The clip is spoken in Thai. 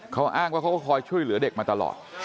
เขาอ้างว่าเขาก็คอยช่วยเหลือเด็กมาตลอด